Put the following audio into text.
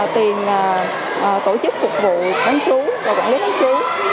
tiền tổ chức phục vụ bán trú và quản lý bán trú